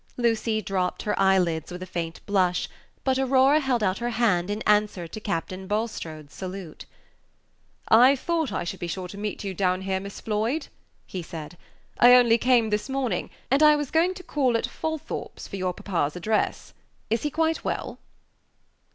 Lucy dropped her eyelids with a faint blush, but Aurora held out her hand in answer to Captain Bulstrode's salute. "I thought I should be sure to meet you down here, Miss Floyd," he said. "I only came this morning, and I was going to call at Folthorpe's for your papa's address. Is he quite well?"